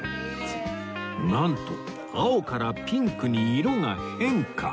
なんと青からピンクに色が変化